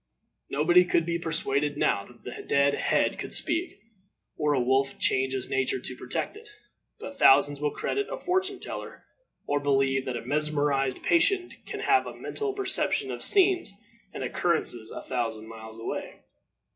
Nobody could be persuaded now that a dead head could speak, or a wolf change his nature to protect it; but thousands will credit a fortune teller, or believe that a mesmerized patient can have a mental perception of scenes and occurrences a thousand miles away.